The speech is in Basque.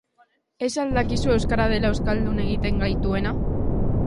Ez al dakizu euskara dela euskaldun egiten gaituena?